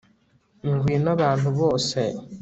Ngwino abantu bose